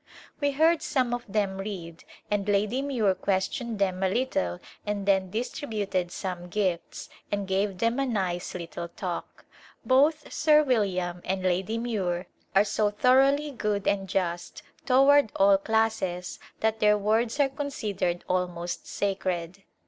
We heard some of them read and Lady Muir questioned them a little and then distributed some gifts, and gave them a nice little talk. Both Sir William and Lady Muir are so thoroughly good and just toward all classes that their words are considered almost sacred.